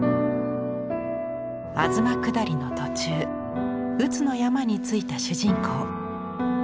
東下りの途中宇津の山に着いた主人公。